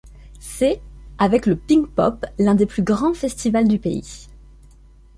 C'est, avec le Pinkpop, l'un des plus grands festivals du pays.